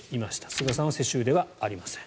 菅さんは世襲ではありません。